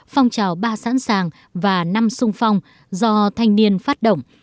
phong trào ba sẵn sàng và năm sung phong do thanh niên phát động